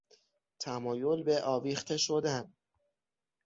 تمایل به آویخته شدن